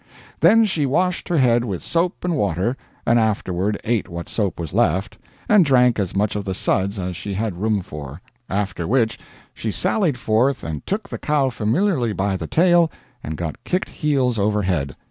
Then she washed her head with soap and water, and afterward ate what soap was left, and drank as much of the suds as she had room for; after which she sallied forth and took the cow familiarly by the tail, and got kicked heels over head.